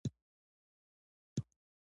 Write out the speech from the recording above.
نقل او ممیز له چای سره ایښودل کیږي.